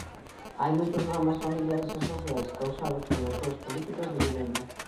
Hai moitos dramas familiares e sociais causados polas súas políticas de vivenda.